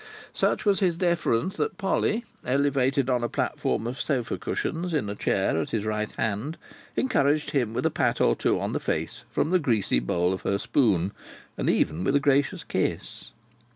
Such was his deference that Polly, elevated on a platform of sofa cushions in a chair at his right hand, encouraged him with a pat or two on the face from the greasy bowl of her spoon, and even with a gracious kiss.